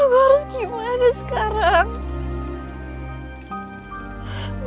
aku harus gimana sekarang